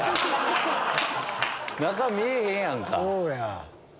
中見えへんやんか！